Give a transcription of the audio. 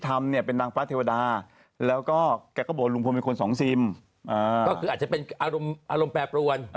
คุณอัศยะเนี่ยก็อาจจะแบบ